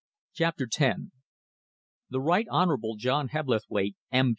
CHAPTER X The Right Honourable John Hebblethwaite, M.